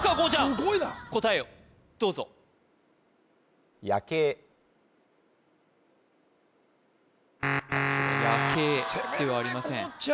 すごいな答えをどうぞ夜景ではありません攻めるね